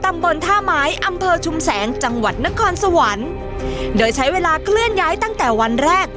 ตำบลท่าไม้อำเภอชุมแสงจังหวัดนครสวรรค์โดยใช้เวลาเคลื่อนย้ายตั้งแต่วันแรก